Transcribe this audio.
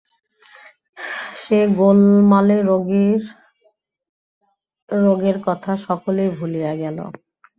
সে গোলমালে রোগীর রোগের কথা সকলেই ভুলিয়া গেল।